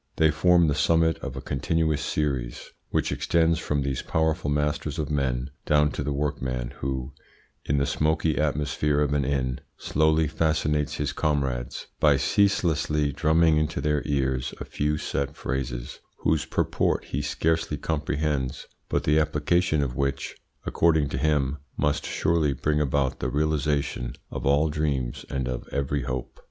They form the summit of a continuous series, which extends from these powerful masters of men down to the workman who, in the smoky atmosphere of an inn, slowly fascinates his comrades by ceaselessly drumming into their ears a few set phrases, whose purport he scarcely comprehends, but the application of which, according to him, must surely bring about the realisation of all dreams and of every hope.